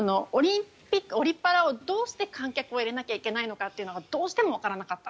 オリ・パラをどうして観客を入れないといけないのかがどうしてもわからなかった。